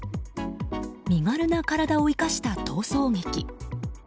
身軽な体を生かした逃走劇。